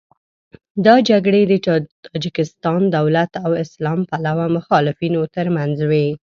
دا جګړې د تاجکستان دولت او اسلام پلوه مخالفینو تر منځ وې.